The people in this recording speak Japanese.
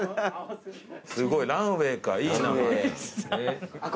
すごい「ランウェイ」かいい名前。